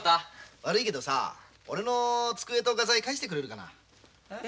悪いけどさ俺の机と画材返してくれるかな？え？